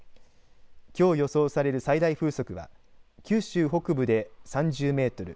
きょう予想される最大風速は九州北部で３０メートル